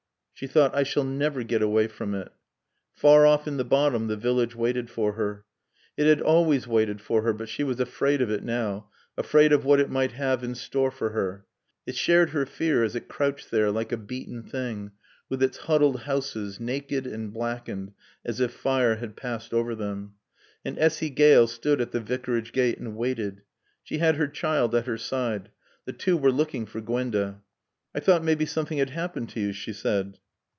She thought, "I shall never get away from it." Far off in the bottom the village waited for her. It had always waited for her; but she was afraid of it now, afraid of what it might have in store for her. It shared her fear as it crouched there, like a beaten thing, with its huddled houses, naked and blackened as if fire had passed over them. And Essy Gale stood at the Vicarage gate and waited. She had her child at her side. The two were looking for Gwenda. "I thought mebbe something had 'appened t' yo," she said.